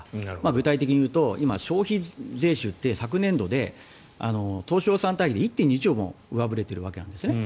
具体的に言うと今、消費税収って昨年度で当初予算対比で１兆２０００億円も上振れているんですね。